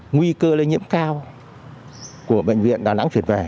nguy cơ lây nhiễm cao của bệnh viện đà nẵng chuyển về